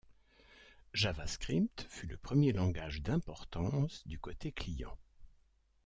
Javascript fut le premier langage d'importance du côté client.